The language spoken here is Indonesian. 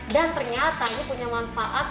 dan ternyata ini punya manfaat